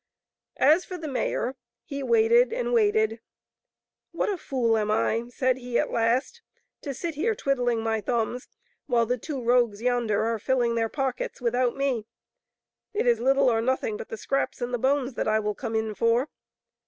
As for the mayor, he waited and waited. " What a fool am I," said he at last, " to sit here twiddling my thumbs while the two rogues yonder are filling their pockets without me. It is little or nothing but the scraps and the bones that I will come in for."